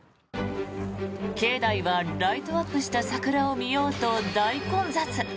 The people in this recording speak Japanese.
境内はライトアップした桜を見ようと大混雑。